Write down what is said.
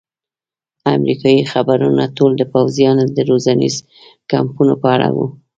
امریکایي خبرونه ټول د پوځیانو د روزنیزو کمپونو په اړه وو.